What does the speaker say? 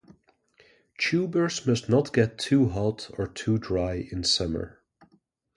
Tubers must not get too hot or too dry in summer.